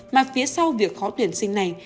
mà phía sau việc khó tuyển sinh này